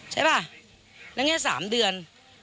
แล้วสามเดือน